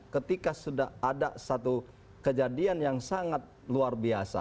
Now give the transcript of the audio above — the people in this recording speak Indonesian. ketika sudah ada satu kejadian yang sangat luar biasa